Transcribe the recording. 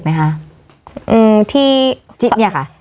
จิ๊กเนี่ยค่ะ